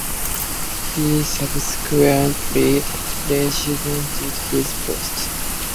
He subsequently resigned his post.